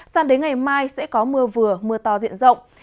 sang đến ngày mai sẽ có mưa vừa mưa to diện rộng